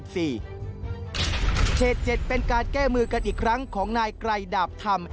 ๗เป็นการแก้มือกันอีกครั้งของนายไกรดาบธรรม